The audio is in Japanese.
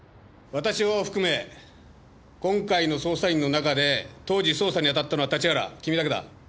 私を含め今回の捜査員の中で当時捜査に当たったのは立原君だけだ。